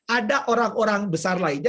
ada orang orang besar lainnya